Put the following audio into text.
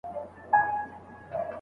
تعليم شوې نجونې د شخړو سوله ييز حل هڅوي.